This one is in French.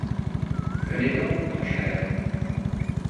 Venez donc, mon cher.